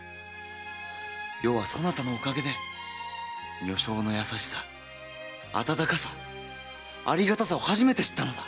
余はそなたのお陰で女性の優しさ温かさありがたさを初めて知ったのだ！